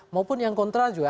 maupun yang kontral juga